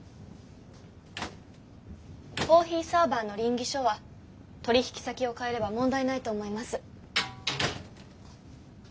コーヒーサーバーの稟議書は取引先を変えれば問題ないと思います。